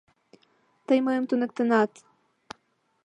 — Тый мыйым туныктенат...